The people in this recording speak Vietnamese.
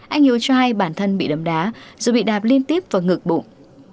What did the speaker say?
anh hiếu cho hay bản thân bị đấm đá rồi bị đạp liên tiếp vào ngực bụng